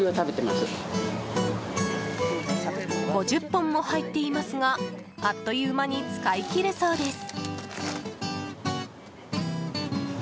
５０本も入っていますがあっという間に使い切るそうです。